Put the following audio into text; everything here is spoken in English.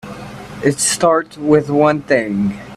It start with one thing.